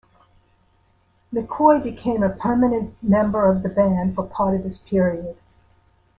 McKoy became a permanent member of the band for part of this period.